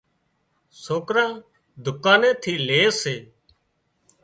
سوڪران ڌُڪاني ٿي لي سي